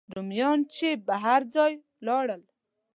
رومیان چې به هر ځای لاړل.